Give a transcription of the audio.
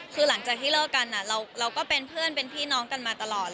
คือหลังจากที่เลิกกันเราก็เป็นเพื่อนเป็นพี่น้องกันมาตลอด